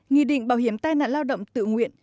nghị định bảo hiểm tai nạn lao động tự nguyện